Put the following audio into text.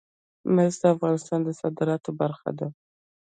مس د افغانستان د صادراتو برخه ده.